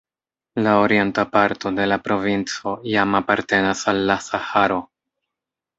La orienta parto de la provinco jam apartenas al la Saharo.